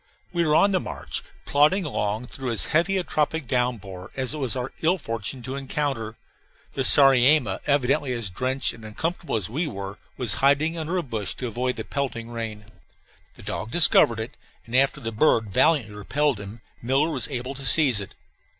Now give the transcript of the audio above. We were on the march, plodding along through as heavy a tropic downpour as it was our ill fortune to encounter. The sariema, evidently as drenched and uncomfortable as we were, was hiding under a bush to avoid the pelting rain. The dog discovered it, and after the bird valiantly repelled him, Miller was able to seize it.